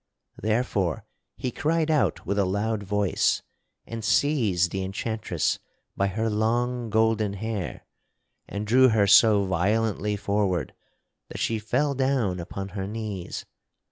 Therefore he cried out with a loud voice and seized the enchantress by her long golden hair, and drew her so violently forward that she fell down upon her knees.